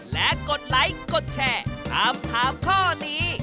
และกดไลค์กดแชร์ถามถามข้อนี้